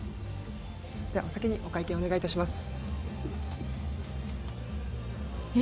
ではお先にお会計お願いいたします。